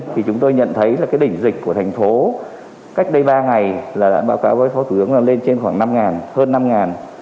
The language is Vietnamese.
thì chúng tôi nhận thấy là cái đỉnh dịch của thành phố cách đây ba ngày là đã báo cáo với phó thủy ứng là lên trên khoảng năm ngàn hơn năm ngàn